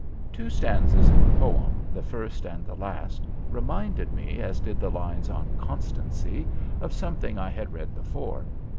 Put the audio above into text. Two stanzas in the poem, the first and the last, reminded me, as did the lines on "Constancy," of something I had read before.